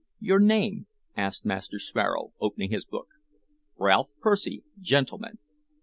"Your name?" asked Master Sparrow, opening his book. "Ralph Percy, Gentleman."